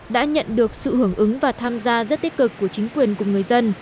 đã nhận được sự hưởng ứng và tham gia rất tích cực của chính quyền cùng người dân